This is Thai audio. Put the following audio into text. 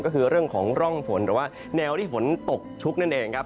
ก็คือเรื่องของร่องฝนหรือว่าแนวที่ฝนตกชุกนั่นเองครับ